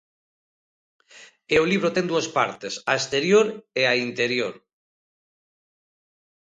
E o libro ten dúas partes, a exterior e a interior.